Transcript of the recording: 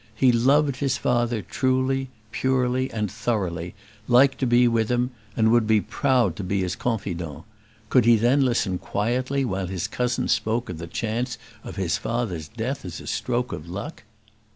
He loved his father truly, purely, and thoroughly, liked to be with him, and would be proud to be his confidant. Could he then listen quietly while his cousin spoke of the chance of his father's death as a stroke of luck?